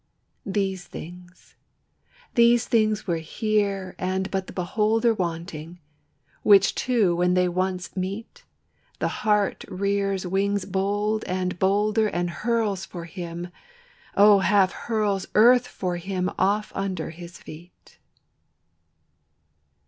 These things, these things were here and but the beholder Wanting; which two when they once meet, The heart rears wings bold and bolder And hurls for him, O half hurls earth for him off under his feet.